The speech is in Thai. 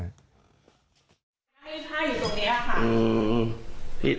ต้องพริพาห์อยู่ตรงนี้นะค่ะ